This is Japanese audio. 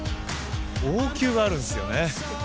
王宮があるんすよね